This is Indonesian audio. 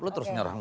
lu terus nyerang